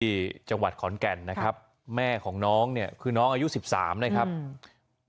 ที่จังหวัดขอนแก่นนะครับแม่ของน้องเนี่ยคือน้องอายุสิบสามนะครับอืม